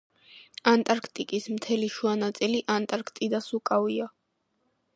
ანტარქტიკის მთელი შუა ნაწილი ანტარქტიდას უკავია.